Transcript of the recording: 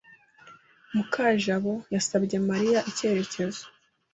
Mukajabo yasabye Mariya icyerekezo.